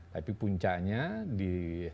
tapi puncanya di